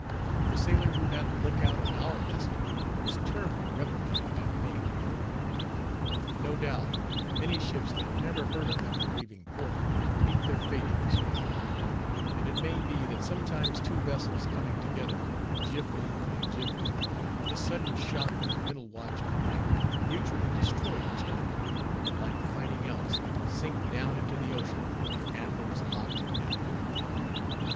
The sailor who had the look out on our vessel was terribly reprimanded by the mate. No doubt, many ships that are never heard of after leaving port, meet their fate in this way; and it may be, that sometimes two vessels coming together, jib boom and jib boom, with a sudden shock in the middle watch of the night, mutually destroy each other; and like fighting elks, sink down into the ocean, with their antlers locked in death.